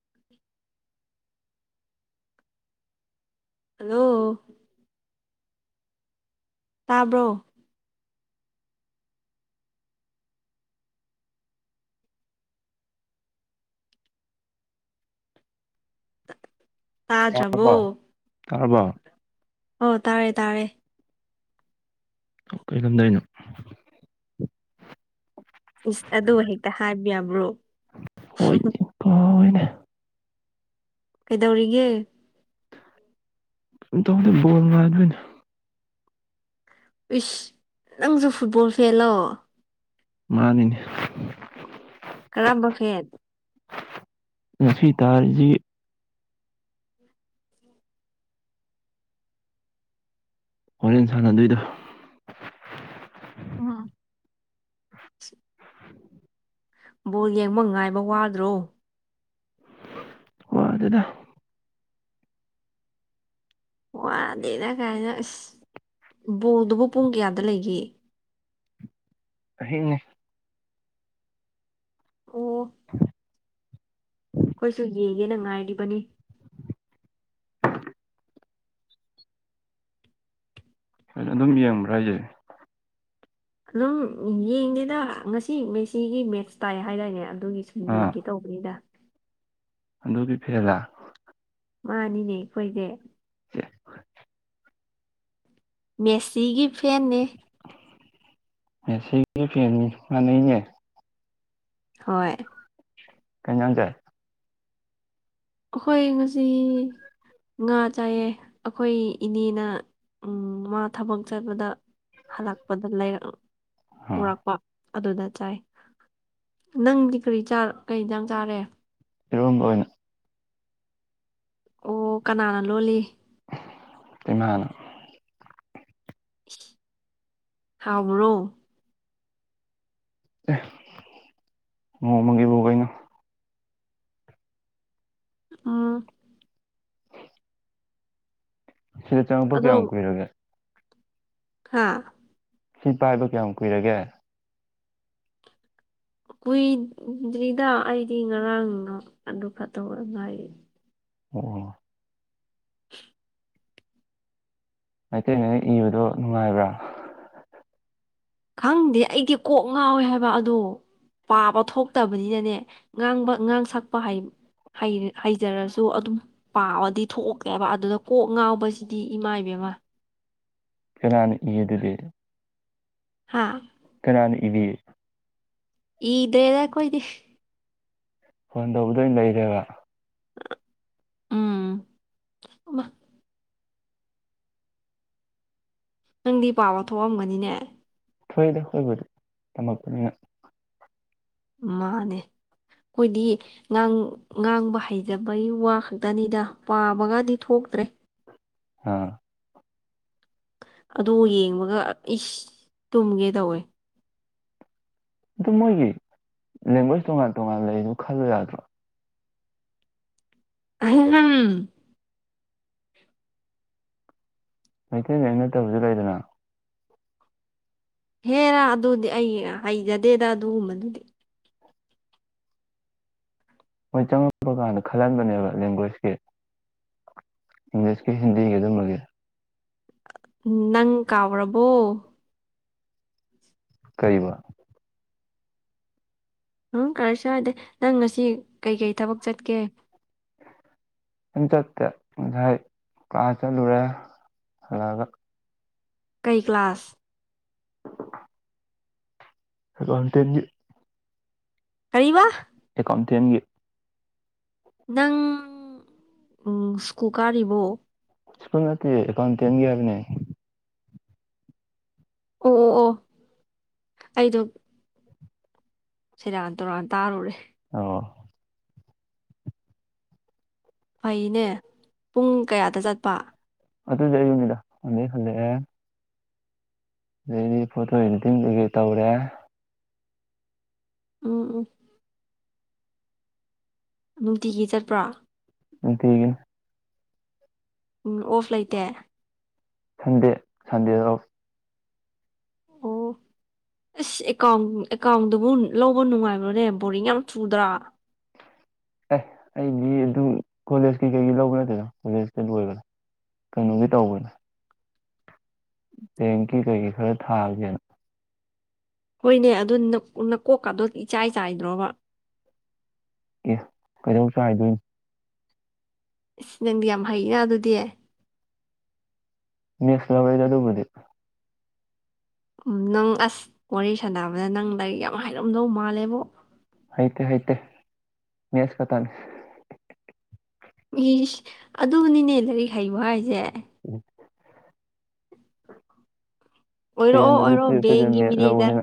[unintelligible] hello ꯇꯥꯕ꯭ꯔꯣ ꯇꯥꯗ꯭ꯔꯕꯣ ꯇꯥꯔꯕ ꯇꯥꯔꯕ ꯑꯣ ꯇꯥꯔꯦ ꯇꯥꯔꯦ ꯑꯣ ꯀꯣꯗꯩꯅꯣ ꯏꯁ ꯑꯗꯨ ꯍꯦꯛꯇ ꯍꯥꯏꯕ ꯌꯥꯕ꯭ꯔꯣ ꯍ ꯏꯅꯦ ꯀꯩꯗꯧꯔꯤꯒꯦ ꯇꯕꯨꯗꯤ ꯣꯜ ꯃꯥꯔꯕꯅꯦ ꯏꯁ ꯅꯪꯁꯨ ꯐꯨꯠꯕꯣꯜ ꯐꯦꯂꯣ ꯃꯥꯅꯤꯅꯦ ꯀꯔꯝꯕ ꯐꯦꯔ ꯔꯐꯤ ꯇꯔꯖꯤ ꯍꯣꯔꯦꯟ ꯁꯥꯟꯅꯗꯣꯏꯗ ꯑꯝ ꯕꯣꯜ ꯌꯦꯡꯕ ꯉꯥꯏꯕ ꯋꯥꯗ꯭ꯔꯣ ꯑ ꯑꯗꯨꯦꯗ ꯋꯥꯅꯤꯦꯅ ꯀꯥꯏꯅ ꯑꯁ ꯕꯣꯜꯗꯨꯕꯨ ꯄꯨꯡ ꯀꯌꯥꯗ ꯂꯩꯒꯦ ꯆꯍꯤꯅꯦ ꯑꯣ ꯍ ꯑꯩꯈꯣꯏꯁꯨ ꯌꯦꯡꯒꯦꯅ ꯉꯥꯏꯔꯤꯕꯅꯤ ꯍ ꯑꯗꯨꯝ ꯌꯦꯡꯕ꯭ꯔꯥ ꯍꯥꯏꯁꯦ ꯑꯗꯨꯝ ꯌꯦꯡꯅꯦꯦꯗ ꯉꯁꯤ ꯃꯦꯁꯤꯒꯤ ꯃꯦꯠꯁ ꯇꯥꯏ ꯍꯥꯏꯔꯏꯅꯦ ꯑꯗꯨꯒꯤ ꯁꯨꯝ ꯑꯥ ꯌꯦꯡꯒꯦ ꯇꯧꯕꯅꯤꯅ ꯑꯗꯨꯒꯤ ꯐꯤꯔꯂꯥ ꯃꯥꯅꯤꯅꯦ ꯑꯩꯈꯣꯏꯁꯦ [unintelligible] ꯃꯦꯁꯤꯒꯤ ꯐꯦꯦ ꯁ ꯄꯅ ꯍꯣꯏ ꯀꯩꯅ ꯆꯦ ꯑꯩꯈꯣꯏ ꯉꯁꯤ ꯉꯥ ꯆꯥꯏꯑ ꯑꯩꯈꯣꯏ ꯏꯅꯦꯅ ꯃꯥ ꯊꯕꯛ ꯆꯠꯄꯗ ꯍꯜꯂꯛꯄꯗ ꯂꯩꯔ ꯑꯥ ꯎꯔꯛꯄ ꯑꯗꯨꯗ ꯆꯥꯏ ꯅꯪꯗꯤ ꯀꯔꯤ ꯀꯩꯗ ꯆꯥꯔꯦ ꯏꯔꯣꯟꯝꯕ ꯑꯣꯏꯅ ꯑꯣ ꯀꯅꯥꯅ ꯂꯣꯜꯂꯤ ꯏꯃꯥꯟ ꯍꯥꯥꯎꯕ꯭ꯔꯣ ꯍ ꯃꯒꯤꯕ ꯀꯥꯏꯅ ꯑꯥ ꯁꯤꯗ ꯆꯪꯉꯛꯄ ꯀꯌꯥꯝ ꯀꯨꯏꯔꯒꯦ ꯍꯥꯥ ꯁꯤ ꯄꯥꯏꯕ ꯀꯌꯥꯝ ꯀꯨꯏꯔꯒꯦ ꯀꯨꯏꯗ꯭ꯔꯤꯗ ꯑꯩꯗꯤ ꯉꯔꯥꯡꯗꯣ ꯑꯗꯨ ꯐꯛꯇꯧ ꯉꯥꯏꯔꯤ ꯑꯣ ꯃꯩꯇꯩꯉꯩꯅ ꯏꯕꯗꯣ ꯅꯨꯡꯉꯥꯏꯕ꯭ꯔꯥ ꯈꯪꯗꯦ ꯑꯩꯗꯤ ꯀꯣꯛ ꯉꯥꯎꯋꯦ ꯍꯥꯏꯕ ꯑꯗꯣ ꯄꯥꯕ ꯊꯣꯛꯇꯕꯅꯤꯅꯅꯦ ꯉꯥꯡꯕ ꯉꯥꯡ ꯁꯛꯄ ꯍꯥꯏ ꯍꯩꯖꯔꯁꯨ ꯑꯗꯨꯝ ꯄꯥꯕꯗꯤ ꯊꯣꯛꯀꯦꯕ ꯑꯗꯨꯗ ꯀꯣꯛ ꯉꯥꯎꯕꯁꯤꯗꯤ ꯏꯃꯥ ꯏꯕꯦꯝ ꯋꯥ ꯀꯅꯥꯅ ꯏꯗꯨꯗꯤꯦ ꯍꯥꯥ ꯀꯅꯥꯅ ꯏꯕꯤ ꯏꯗꯦꯗꯀꯣꯏꯣꯏꯗꯤ ꯐꯣꯟ ꯇꯧꯕꯗ ꯑꯣꯏꯅ ꯂꯩꯔꯦꯕ ꯎꯝ ꯅꯪꯗꯤ ꯄꯥꯕ ꯊꯣꯛꯑꯝꯒꯅꯤꯅꯦ ꯊꯣꯏꯗ ꯍꯣꯏꯕꯗꯤ ꯇꯝꯃꯛꯄꯅꯤꯅ ꯃꯥꯅꯦ ꯑꯩꯈꯣꯏꯗꯤ ꯉꯥꯡ ꯉꯥꯡꯕ ꯍꯩꯖꯕꯒꯤ ꯋꯥ ꯈꯛꯇꯅꯤꯗ ꯄꯥꯕꯒꯗꯤ ꯊꯣꯛ ꯇ꯭ꯔꯦ ꯑꯥ ꯑꯗꯨ ꯌꯦꯡꯕꯒ ꯏꯁ ꯇꯨꯝꯒꯦ ꯇꯧꯋꯦ ꯑꯗꯨ ꯃꯣꯏꯒꯤ ꯂꯦꯡꯒ꯭ꯋꯦꯖ ꯇꯣꯉꯥꯟ ꯇꯣꯉꯥꯟ ꯂꯩꯗꯨ ꯈꯜꯂ ꯌꯥꯗ꯭ꯔꯣ ꯑꯝ ꯃꯩꯇꯩꯅ ꯑ ꯅꯠꯇꯕꯁꯨ ꯂꯩꯗꯅ ꯍꯦꯔꯥ ꯑꯗꯨꯗꯤ ꯑꯩ ꯍꯩꯖꯗꯦꯗ ꯑꯗꯨꯒꯨꯝꯕꯗꯨꯗꯤ ꯃꯣꯏ ꯆꯪꯉꯛꯄ ꯀꯥꯟꯗ ꯈꯜꯍꯟꯕꯅꯦꯕ ꯂꯦꯡꯒ꯭ꯋꯦꯖꯀꯤ ꯏꯪꯂꯤꯁꯀꯤ ꯍꯤꯟꯗꯤꯒꯤ ꯑꯗꯨꯝꯃꯒꯤ ꯅꯪ ꯀꯥꯎꯕꯣ ꯀ ꯎꯪ ꯀꯔꯁꯨ ꯍꯥꯏꯗꯦ ꯅꯪ ꯉꯁꯤ ꯀꯩꯀꯩ ꯊꯕꯛ ꯆꯠꯀꯦ ꯆꯠ ꯉꯁꯥꯏ ꯀꯥ ꯆꯠꯂꯨꯨꯔꯦ ꯍꯒ ꯀꯩ ꯀ꯭ꯂꯥꯁ ꯍꯀꯟ ꯇ ꯀꯔꯤ ꯋꯥ ꯑꯦꯀꯥꯎꯟꯇꯦꯟꯒꯤ ꯅꯪ ꯎꯝ ꯁ꯭ꯀꯨꯀꯥꯔꯤꯕꯣ ꯀ ꯅ ꯑꯦꯣꯟ ꯇꯦꯟꯒꯤ ꯍꯥꯏꯕꯅꯦ ꯑꯣ ꯑꯣ ꯑꯣ ꯑꯩꯗꯣ ꯁꯦꯔꯥꯟ ꯇꯨꯔꯥꯟ ꯇꯥꯔꯨꯔꯦ ꯑꯣ ꯐꯩꯅꯦ ꯄꯨꯡ ꯀꯌꯥꯗ ꯆꯠꯄ ꯑꯗꯨ ꯑꯗꯨꯁꯨ ꯌꯅꯤꯗꯗꯦ ꯍꯜꯂꯦ ꯑꯗꯨꯗꯩꯗꯤ ꯐꯣꯇꯣ ꯏꯗꯤꯇꯤꯡꯗꯨꯗꯒꯤꯩ ꯇꯧꯔꯦ ꯑ ꯑ ꯅꯨꯡꯇꯤꯒꯤ ꯆꯠꯄ꯭ꯔꯥ ꯎ ꯊꯀꯦ ꯎꯝ ꯑꯣꯐ ꯂꯩꯇꯦ ꯁꯟꯗꯦ ꯁꯟꯗꯦ ꯑꯣ ꯑꯣ ꯑꯁ ꯑꯦꯀꯥꯎꯟ ꯑꯦꯀꯥꯎꯟꯗꯨꯕꯨ ꯂꯧꯕ ꯅꯨꯡꯉꯥꯏꯕ꯭ꯔꯅꯦ ꯕꯣꯔꯤꯡ ꯌꯥꯝ ꯊꯨꯗ꯭ꯔꯥ [unintelligible] ꯑꯦ ꯑꯩꯗꯤ ꯑꯗꯨꯝ ꯀꯣꯂꯦꯖꯀꯤ ꯀꯩꯒꯤ ꯂꯧꯕ ꯅꯠꯇꯦꯗꯅ ꯀꯣꯂꯦꯖꯀ ꯂꯣꯏꯕ꯭ꯔꯥ ꯀꯩꯅꯣꯒꯤ ꯇꯧꯕꯅꯦ ꯕꯦꯡꯀꯤ ꯀꯩꯀꯩ ꯈꯔ ꯊꯥꯒꯦꯅ ꯍꯣꯏꯅꯦ ꯑꯗꯨ ꯅꯀꯣꯛꯀꯥꯗ ꯏꯆꯥꯏ ꯆꯥꯏꯗ꯭ꯔꯣꯕ ꯑꯦ ꯀꯩꯗꯧ ꯆ ꯍꯥꯏꯗꯣꯏꯅꯤꯣ ꯑꯁ ꯅꯪꯗꯤ ꯌꯥꯝ ꯍꯩꯩꯅ ꯑꯗꯨꯗꯤ ꯃꯤꯁꯂ ꯋꯥꯔꯤ ꯆ ꯑꯗꯨꯕꯨꯗꯤ ꯎ ꯅꯪ ꯑꯁ ꯋꯥꯔꯤ ꯁꯥꯟꯅꯕꯗ ꯅꯪ ꯂꯥꯏꯔꯤꯛ ꯌꯥꯝ ꯍꯥꯏꯔꯝꯗꯧ ꯃꯥꯜꯂꯦꯕꯣ ꯑꯥꯏꯇ ꯍꯥꯏꯣꯏꯇ ꯅꯦꯁꯀ ꯇꯅꯦꯦ ꯏꯁ ꯑꯗꯨꯕꯨꯅꯤꯅꯦ ꯂꯥꯏꯔꯤꯛ ꯍꯩꯕ ꯍꯥꯏꯁꯦ ꯎꯝ ꯑꯣꯏꯔꯛꯑꯣ ꯇꯦꯟꯗꯗꯤ ꯑꯣꯏꯔꯣ ꯇꯨꯌꯦꯞꯇꯗꯤ ꯕꯦꯡꯒꯤ ꯃꯦꯠ ꯃꯦꯅꯦꯖꯔ ꯂꯧꯕꯅꯤꯅ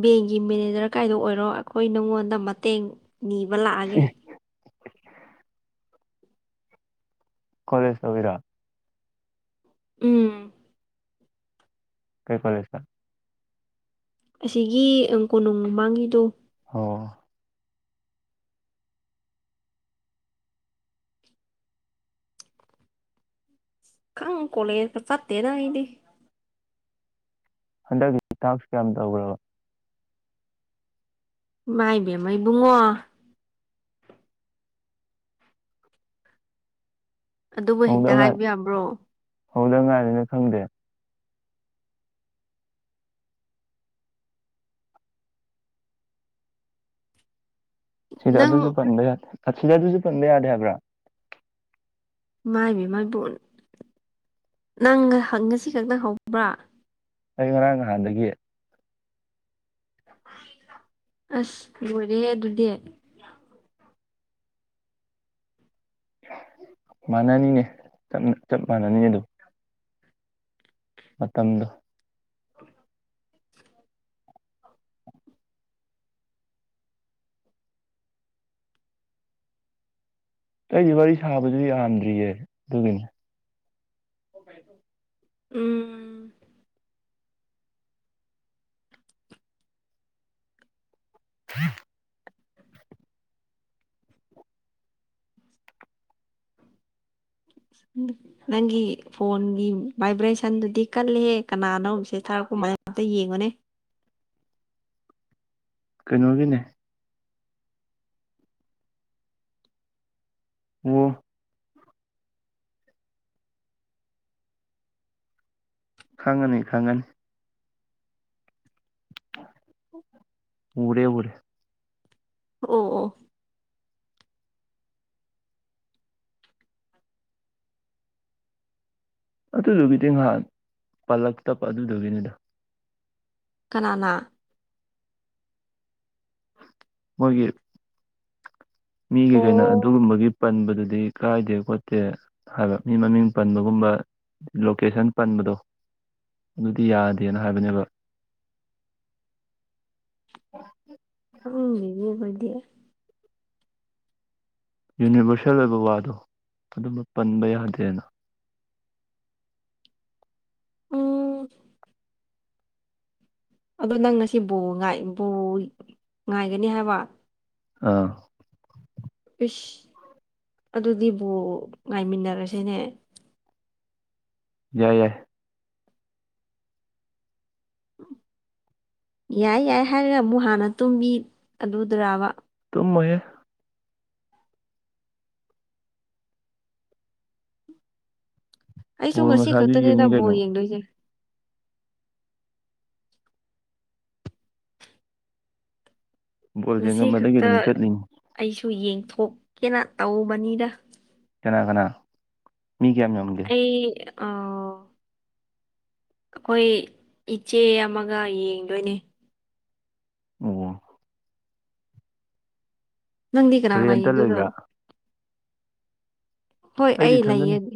ꯕꯦꯡꯒꯤ ꯃꯦꯅꯦꯖꯔ ꯀꯥꯏꯗ ꯑꯣꯏꯔꯣ ꯑꯩꯈꯣꯏ ꯅꯪꯉꯣꯟꯗ ꯃꯇꯦꯡ ꯅꯤꯕ ꯂꯥꯛꯑꯒꯦ ꯀꯂꯦꯖ ꯑꯣꯏꯒꯔꯥ ꯎꯝ ꯀꯩ ꯐꯂꯦꯁ ꯑꯁꯤꯒꯤ ꯀꯣꯅꯨꯡ ꯃꯃꯥꯡꯒꯤꯗꯣ ꯑꯣ ꯀꯪ ꯀꯣꯂ ꯐ ꯄꯠꯇꯗꯏꯗꯤ ꯍꯟꯗꯛꯀꯤ ꯊꯥꯛꯁ ꯀꯌꯥꯝ ꯇꯧꯈ꯭ꯔꯕ ꯃꯥꯏꯕꯦꯝꯃꯩꯕꯨꯡꯉꯣ ꯑꯗꯨꯕꯨ ꯍꯦꯛꯇ ꯍꯥꯏꯕ ꯌꯥꯕ꯭ꯔꯣ ꯍꯗ ꯉꯥꯏꯔꯤꯦꯅ ꯈꯪꯗꯦ ꯁꯤꯗ ꯑꯗꯨꯁꯨ ꯅꯪ ꯄꯟꯕ ꯌꯥꯗꯦ ꯁꯤꯗ ꯑꯗꯨꯁꯨ ꯄꯟꯕ ꯌꯥꯗꯦ ꯍꯥꯏꯕ꯭ꯔꯥ ꯃꯥꯏꯕꯤ ꯃꯥꯏꯕꯣ ꯅꯪ ꯉꯁꯤ ꯈꯛꯇꯪ ꯍꯧꯕ꯭ꯔꯥ ꯑꯩ ꯉꯔꯥꯡ ꯅꯍꯥꯟꯗꯒꯤ ꯑꯁ ꯂꯣꯏꯔꯦꯍꯦ ꯑꯗꯨꯗꯤ ꯃꯥꯟꯅꯅꯤꯅꯦ ꯆꯞ ꯃꯥꯟꯅꯅꯤꯅꯦ ꯑꯗꯨ ꯃꯇꯝꯗꯣ ꯑꯩꯗꯤ ꯋꯥꯔꯤ ꯁꯥꯕꯗꯨ ꯌꯥꯝꯗ꯭ꯔꯤꯌꯦ ꯑꯗꯨꯒꯤꯅꯦ ꯎꯝ ꯍ ꯅꯪꯒꯤ ꯐꯣꯟꯒꯤ ꯚꯥꯏꯕ꯭ꯔꯦꯁꯟꯗꯨꯗꯤ ꯀꯜꯂꯍꯦ ꯀꯅꯥꯅꯣꯁꯦ ꯊꯥꯔꯛ ꯀꯃꯠꯇ ꯌꯦꯡꯉꯣꯅꯦ ꯀꯩꯅꯣꯒꯤꯅꯦ ꯋꯥ ꯈꯪꯉꯅꯤ ꯈꯪꯉꯅꯤ ꯎꯔꯦ ꯎꯔꯦ ꯑꯣ ꯑꯣ ꯑꯗꯨꯗꯨꯒꯤꯗꯤ ꯉꯍꯥꯟ ꯄꯥꯜꯂꯛ ꯇꯞꯄ ꯑꯗꯨꯗꯨꯒꯤꯅꯤꯗ ꯀꯅꯥꯅ ꯃꯣꯏꯒꯤ ꯃꯤꯒꯤ ꯀꯩꯅꯣ ꯑꯣ ꯑꯗꯨꯒꯨꯝꯕꯒꯤ ꯄꯟꯕꯗꯨ ꯑꯗꯤ ꯀꯥꯏꯗꯦ ꯈꯣꯠꯇꯦ ꯍꯥꯏꯕ ꯃꯤ ꯃꯃꯤꯡ ꯄꯟꯕꯒꯨꯝꯕ ꯂꯣꯀꯦꯁꯟ ꯄꯟꯕꯗꯣ ꯑꯗꯨꯗꯤ ꯌꯥꯗꯦꯅ ꯍꯥꯏꯕꯅꯦꯕ ꯎ ꯑ ꯃꯤ ꯑꯣꯏꯗꯤꯦ ꯌꯨꯅꯤꯚꯔꯁꯦꯜ ꯑꯣꯏꯕ ꯋꯥꯗꯣ ꯑꯗꯨꯝꯕ ꯄꯟꯕ ꯌꯥꯗꯦꯅ ꯑꯣ ꯑꯗꯣ ꯅꯪ ꯉꯁꯤ ꯕ ꯕꯣ ꯉꯥꯏꯒꯅꯤ ꯍꯥꯏꯕ ꯑꯥ ꯑꯗꯨꯗꯤꯕꯨ ꯉꯥꯏꯃꯤꯟꯅꯔꯁꯦꯅꯦ ꯌꯥꯏ ꯌꯥꯏ ꯌꯥꯏ ꯌꯥꯏ ꯍꯥꯏꯔꯒ ꯑꯃꯨꯛ ꯍꯥꯟꯅ ꯇꯨꯝꯕꯤ ꯑꯗꯨꯗ꯭ꯔꯕ ꯃꯣꯏꯌꯦꯦ ꯑꯩꯁꯨ ꯕꯣꯜ ꯉꯁꯤ ꯉꯁꯥꯏꯁꯨ ꯈꯛꯇꯅꯦꯅ ꯌꯦꯡꯉꯤ ꯕꯣꯜ ꯀꯩꯅꯣ ꯌꯦꯡꯗꯣꯏꯁꯦ ꯕꯣꯜ ꯉꯁꯤ ꯌꯦꯡꯉꯝꯕꯗꯒꯤ ꯈꯛꯇ ꯑꯗꯨꯝ ꯆꯠꯂꯤꯅꯤ ꯑꯩꯁꯨ ꯌꯦꯡꯊꯣꯛꯀꯦꯅ ꯇꯧꯕꯅꯤꯗ ꯀꯅꯥ ꯀꯅꯥ ꯃꯤꯒꯤ ꯌꯥꯝ ꯌꯝꯒꯦ ꯑꯥꯎ ꯑꯩꯈꯣꯏ ꯏꯆꯦ ꯑꯃꯒ ꯌꯦꯡꯗꯣꯏꯅꯦ ꯑꯣ ꯅꯪꯗꯤ ꯀꯅꯥꯉ ꯑꯩ ꯏ ꯔꯦꯟꯇ ꯑꯗꯨꯔ ꯂꯩꯕ꯭ꯔꯥ ꯍꯣꯏ ꯑꯩꯗꯤ ꯑꯩ ꯏꯊꯟꯗꯅꯤ ꯂꯩꯌꯦꯗꯤ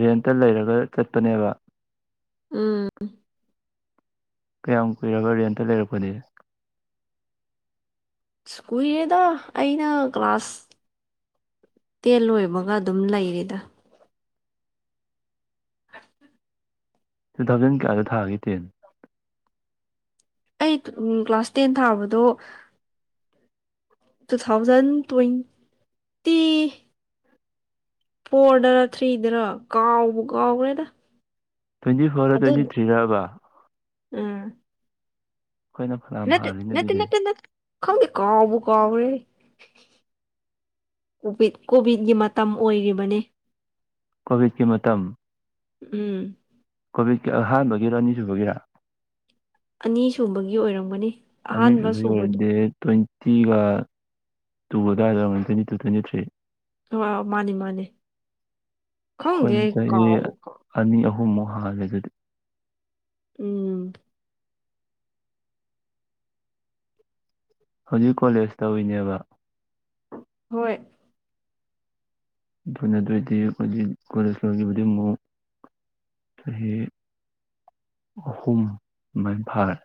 ꯔꯦꯟꯇ ꯂꯩꯔꯒ ꯆꯠꯄꯅꯦꯕ ꯑꯝ ꯀꯌꯥꯝ ꯀꯨꯏꯔꯒ ꯔꯌꯦꯦꯟꯇ ꯂꯩꯔꯛꯄꯅꯤꯦ ꯁ꯭ꯀꯨꯏꯜꯦꯗ ꯑꯩꯅ ꯀ꯭ꯂꯥꯁ ꯇꯦꯟ ꯂꯣꯏꯕꯒ ꯑꯗꯨꯝ ꯂꯩꯔꯤꯗ ꯇꯨ ꯊꯥꯎꯖꯟ ꯀꯌꯥꯗ ꯊꯥꯒꯦ ꯇꯦꯟ ꯑꯩ ꯀ꯭ꯂꯥꯁ ꯇꯦꯟ ꯊꯥꯕꯗꯣ ꯇꯨ ꯊꯥꯎꯖꯟ ꯇ꯭ꯋꯦꯟ ꯇ ꯐꯣꯔꯗꯔ ꯊ꯭ꯔꯤꯗꯔ ꯀꯥꯎꯕ ꯀꯥꯎꯈ꯭ꯔꯦꯗ ꯇ꯭ꯋꯦꯟꯇꯤ ꯐꯣꯔ ꯑꯗꯨ ꯇ꯭ꯋꯦꯟꯇꯤ ꯊ꯭ꯔꯤꯗꯕ ꯎꯝ ꯐꯅꯌꯥꯝ ꯅꯠꯇ ꯍꯥꯜꯂꯤꯅꯦ ꯅꯠꯇ ꯑꯗꯨꯗꯤ ꯅꯠꯇꯥꯎꯗꯤ ꯀꯥꯎꯕꯨ ꯀꯕꯦ ꯀꯣꯚꯤꯠꯀꯤ ꯃꯇꯝ ꯑꯣꯏꯔꯤꯕꯅꯤ ꯀꯣꯚꯤꯗꯀꯤ ꯃꯇꯝ ꯎꯝ ꯑꯍꯥꯟꯕꯒꯤꯔ ꯑꯅꯤꯁꯨꯨꯕꯒꯤꯔꯥ ꯑꯅꯤ ꯁꯨꯕꯒꯤ ꯑꯣꯏꯔꯝꯒꯅꯤ ꯑꯅꯤꯦ ꯑꯍꯥꯟꯕ ꯁꯨꯕꯗꯨ ꯇ ꯊ꯭ꯤꯒ ꯇꯨꯒ ꯑꯗꯨꯏꯗ one twenty two twenty three ꯑ ꯑ ꯃꯥꯅꯤ ꯃꯥꯅꯤ ꯑꯩꯈꯣꯏꯅꯠꯇꯗꯤ ꯑꯅꯤ ꯑꯍꯨꯝꯃꯨꯛ ꯍꯥꯡꯂꯦ ꯑꯗꯨꯗꯤ ꯎꯝ ꯍꯧꯖꯤꯛ ꯀꯣꯂꯦꯖ ꯇꯧꯔꯤꯅꯦꯕ ꯍꯣꯏ ꯑꯗꯨꯅ ꯑꯗꯨꯑꯣꯏꯗꯤ ꯍꯧꯖꯤꯛ ꯀꯣꯂꯦꯖ ꯂꯧꯒꯤꯕꯨꯗꯤ ꯑꯃꯨꯛ ꯍꯦ ꯑꯍꯨꯝ ꯃꯥꯏꯚꯥꯔ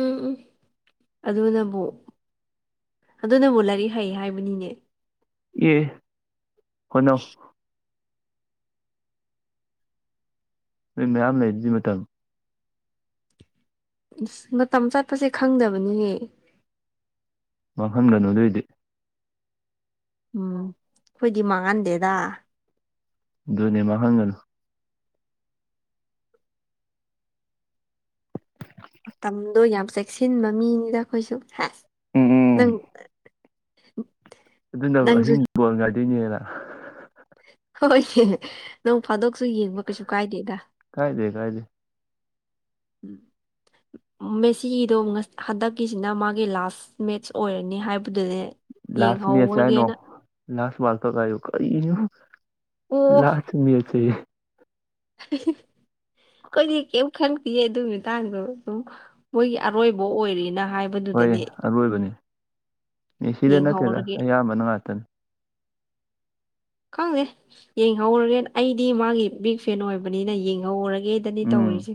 ꯎꯝ ꯎꯝ ꯑꯗꯅ ꯄꯣ ꯑꯗꯨꯅꯕꯨ ꯂꯥꯏꯔꯤꯛ ꯍꯩ ꯍꯥꯏꯕꯅꯤꯅꯦ ꯌꯦ ꯍꯅꯣ ꯅꯣꯏ ꯃꯌꯥꯝ ꯂꯩꯔꯤꯗꯤ ꯃꯇꯝ ꯑ ꯃꯇꯝ ꯆꯠꯄꯁꯦ ꯈꯪꯗꯕꯅꯤꯍꯦ ꯃꯥꯡꯍꯟꯒꯅꯨ ꯑꯗꯨꯑꯣꯏꯗꯤ ꯎꯝ ꯑꯩꯈꯣꯏꯗꯤ ꯃꯥꯡꯍꯟꯗꯦꯗ ꯑꯗꯨꯅꯦꯃ ꯍꯪꯒꯅ ꯁꯤꯟꯕ ꯃꯤꯅꯤꯗ ꯑꯩꯈꯣꯏꯁꯨ ꯎꯝ ꯅꯪ ꯑꯗꯨꯅ ꯅꯪꯁꯨ ꯑꯍꯤꯡ ꯕꯣꯜ ꯉꯥꯏꯗꯣꯏꯅꯦꯅ ꯍꯣꯏ ꯅꯪ ꯐꯥꯗꯣꯛꯁꯨ ꯌꯦꯡꯕ ꯀꯩꯁꯨ ꯀꯥꯏꯗꯦꯗ ꯀꯥꯏꯗꯦ ꯀꯥꯏꯗꯦ ꯎꯝ ꯃꯦꯁꯤꯒꯤꯗꯣ ꯍꯟꯗꯛꯀꯤꯁꯤꯅ ꯃꯥꯒꯤ ꯂꯥꯁ ꯃꯦꯠꯁ ꯑꯣꯏꯔꯅꯤ ꯍꯥꯏꯕꯗꯨꯅꯦ ꯂꯥꯁꯅꯤ ꯑꯁꯦꯥꯏ ꯅꯣ ꯌꯦꯡꯍꯧꯔꯒꯦꯅ ꯂꯥꯁ ꯃꯥꯜꯊ ꯀꯥꯏ ꯀꯅ ꯑꯣ ꯂ ꯊꯃꯤꯁꯦ [unintelligible] ꯑꯩꯈꯣꯏꯗꯤ ꯀꯩꯝ ꯈꯪꯗꯦ ꯑꯗꯨ ꯃꯇꯇꯥꯡꯗꯣ ꯑꯗꯨꯝ ꯃꯣꯏꯒꯤ ꯑꯔꯣꯏꯕ ꯑꯣꯏꯔꯤꯅ ꯍꯣꯏ ꯑꯔꯣꯏꯕꯅꯤ ꯃꯤ ꯁꯤꯗ ꯅꯠꯇꯦꯗ ꯌꯦꯡꯍꯧꯔꯒꯦ ꯑꯌꯥꯝꯕꯅ ꯉꯥꯛꯇꯅꯤ ꯈꯪꯗꯦ ꯌꯦꯡꯍꯧꯔꯒꯦ ꯑꯩꯗꯤ ꯃꯥꯒꯤ ꯕꯤꯛ ꯐꯦꯟ ꯑꯣꯏꯕꯅꯤꯅ ꯌꯦꯡꯍꯧꯔꯒꯦ ꯒꯦꯗꯅꯤ ꯎꯝ ꯇꯧꯔꯤꯁꯦ